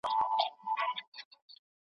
كښېنستلى كرار نه يم له چالونو .